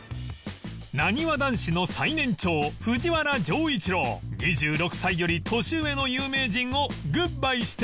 なにわ男子の最年長藤原丈一郎２６歳より年上の有名人をグッバイしてください